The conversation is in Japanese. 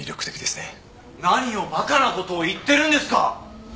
何をバカな事を言ってるんですか！